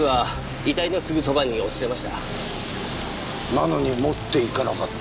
なのに持って行かなかった。